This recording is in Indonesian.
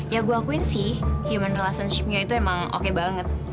ya gue akuin sih human relationship nya itu emang oke banget